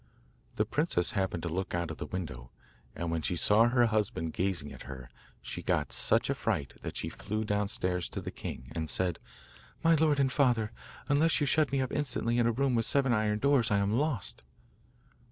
The princess happened to look out of the window, and when she saw her husband gazing at her, she got such a fright that she flew downstairs to the king, and said: 'My lord and father, unless you shut me up instantly in a room with seven iron doors, I am lost.